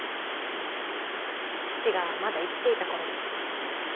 父がまだ生きていた頃です。